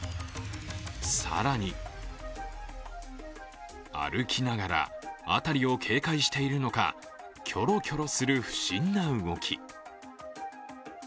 更に、歩きながら辺りを警戒しているのかキョロキョロする不審な動き。